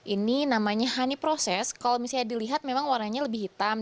ini namanya honey process kalau misalnya dilihat memang warnanya lebih hitam